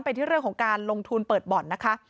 ที่เรื่องของการลงทุนเปิดบ่อนนะคะ